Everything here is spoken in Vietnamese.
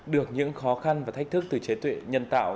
được những khó khăn và thách thức từ trí tuệ nhân tạo